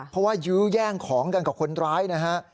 เพราะว่ายื้อแย่งของกันกับคนร้ายนะฮะ